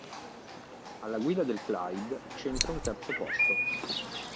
Alla guida del Clyde, centra un terzo posto.